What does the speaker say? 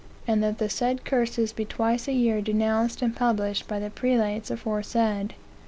And that the said Curses be twice a year denounced and published by the prelates aforesaid.